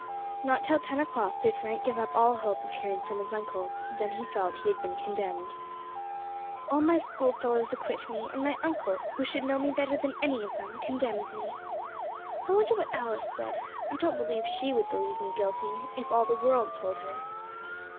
Not till ten o'clock did Frank give up all hope of hearing from his uncle, then he felt he had been condemned. "All my school fellows acquit me, and my uncle, who should know me better than any of them, condemns me. I wonder what Alice said. I don't believe she would believe me guilty if all the world told her."